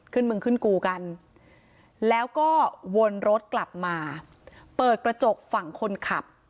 มึงขึ้นกูกันแล้วก็วนรถกลับมาเปิดกระจกฝั่งคนขับ